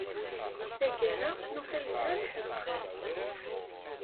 Deg tgara, nufa yesɛa lḥeqq.